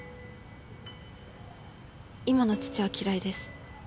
今の父は嫌いです